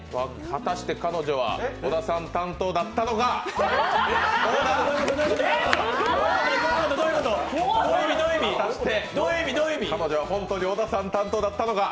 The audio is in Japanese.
果たして彼女は本当に小田さん担当だったのか？